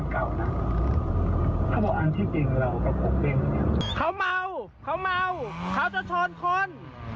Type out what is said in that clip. เขาบอกอันที่เก่งเหลากับเขาเมาเขาเมาเขาจะชนคน